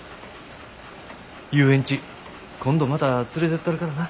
遊園地今度また連れてったるからな。